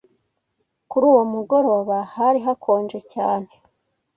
Kuri uwo mugoroba hari hakonje cyane.